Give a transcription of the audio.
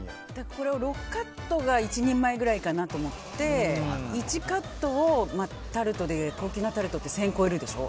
これを６カットが１人前くらいかなと思って１カット、高級なタルトは１０００超えるでしょ。